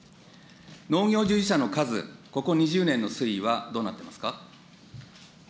農業従事者の数、ここ２０年の推移はどうなってますか。